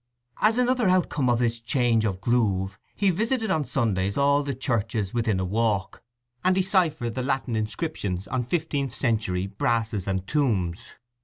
As another outcome of this change of groove he visited on Sundays all the churches within a walk, and deciphered the Latin inscriptions on fifteenth century brasses and tombs.